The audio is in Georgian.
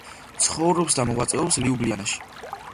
ცხოვრობს და მოღვაწეობს ლიუბლიანაში.